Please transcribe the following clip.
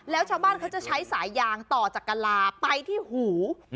แล้วชาวบ้านเขาจะใช้สายยางต่อจากกะลาไปที่หู